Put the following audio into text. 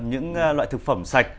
những loại thực phẩm sạch